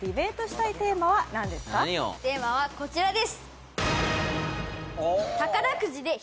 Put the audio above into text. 今回テーマはこちらです